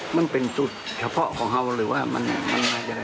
มันเป็นสูตรเฉพาะของเขาหรือว่ามันยังไง